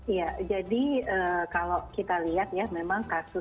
iya jadi kalau